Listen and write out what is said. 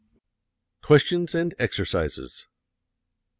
QUESTIONS AND EXERCISES 1.